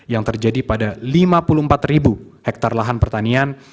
yang terjadi pada lima puluh empat ribu hektare lahan pertanian